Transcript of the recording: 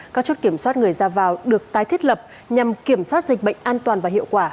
các chốt kiểm soát người ra vào được tái thiết lập nhằm kiểm soát dịch bệnh an toàn và hiệu quả